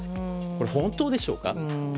これ、本当でしょうか。